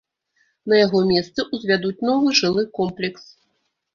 На яго месцы ўзвядуць новы жылы комплекс.